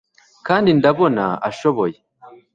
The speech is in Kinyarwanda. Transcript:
kandi ndabona ashoboye